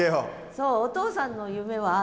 そうお父さんの夢はあるの？